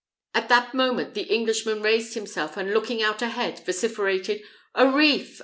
At that moment the Englishman raised himself, and looking out ahead, vociferated, "A reef!